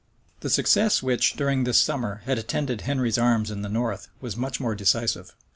The success which, during this summer, had attended Henry's arms in the north, was much more decisive.